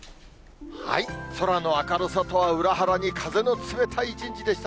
空の明るさとは裏腹に風の冷たい一日でした。